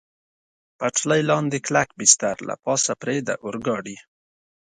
پټلۍ لاندې کلک بستر، له پاسه پرې د اورګاډي.